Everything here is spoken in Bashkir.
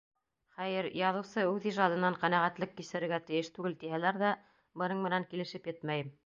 Хәйер, яҙыусы үҙ ижадынан ҡәнәғәтлек кисерергә тейеш түгел тиһәләр ҙә, бының менән килешеп етмәйем.